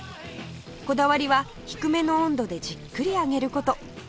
こだわりは低めの温度でじっくり揚げる事